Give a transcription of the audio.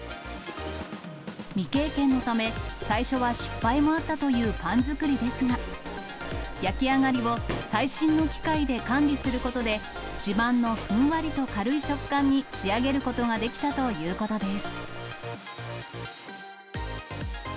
未経験のため、最初は失敗もあったというパン作りですが、焼き上がりを最新の機械で管理することで、自慢のふんわりと軽い食感に仕上げることができたということです。